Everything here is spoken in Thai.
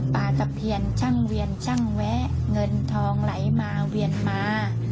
ตะเพียนช่างเวียนช่างแวะเงินทองไหลมาเวียนมา